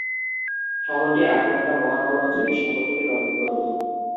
শহরটি আটলান্টা মহানগর অঞ্চলের শহরতলির অন্তর্গত।